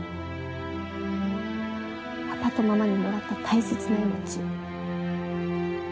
パパとママにもらった大切な命。